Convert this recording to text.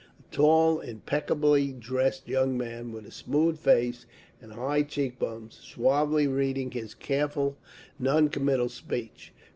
A tall, impeccably dressed young man with a smooth face and high cheek bones, suavely reading his careful, non committal speech.